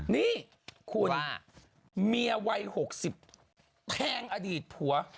นี่คุณเมียวัย๖๐แทงอดีตผัว